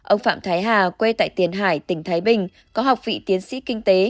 ông phạm thái hà quê tại tiền hải tỉnh thái bình có học vị tiến sĩ kinh tế